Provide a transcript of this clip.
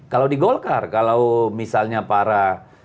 kalau di golkar kalau misalnya para